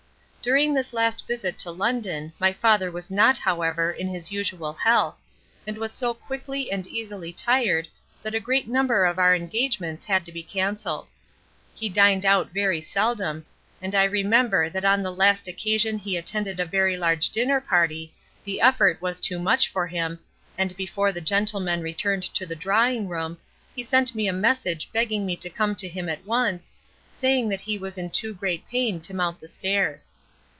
During this last visit to London, my father was not, however, in his usual health, and was so quickly and easily tired that a great number of our engagements had to be cancelled. He dined out very seldom, and I remember that on the last occasion he attended a very large dinner party the effort was too much for him, and before the gentlemen returned to the drawing room, he sent me a message begging me to come to him at once, saying that he was in too great pain to mount the stairs.